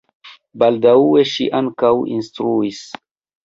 Baldaŭe ŝi ankaŭ instruis.